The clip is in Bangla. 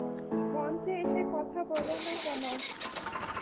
মঞ্চে এসে কথা বলো না কেন?